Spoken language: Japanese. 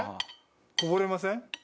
こぼれません？